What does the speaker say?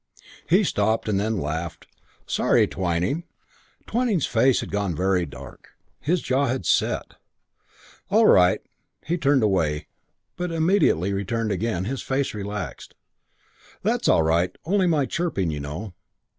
He stopped, and then laughed. "Sorry, Twyning." III Twyning's face had gone very dark. His jaw had set. "Oh, all right." He turned away, but immediately returned again, his face relaxed. "That's all right. Only my chipping, you know.